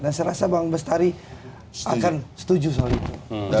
dan saya rasa bang bestari akan setuju soal itu